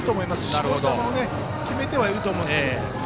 絞り球を決めているとは思いますけれども。